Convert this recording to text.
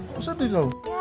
kok sedih kau